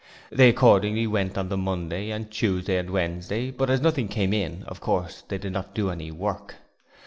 They accordingly went on the Monday, and Tuesday and Wednesday, but as nothing 'came in' of course they did not do any work.